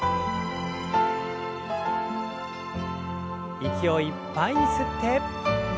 息をいっぱいに吸って。